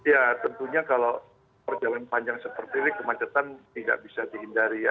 ya tentunya kalau perjalanan panjang seperti ini kemacetan ini tidak bisa dihindari